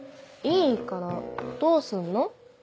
いいからどうすんの？